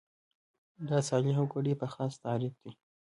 دا صالح وګړي په خاص تعریف دي.